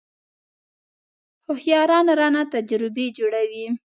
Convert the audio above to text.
هوښیاران رانه تجربې جوړوي .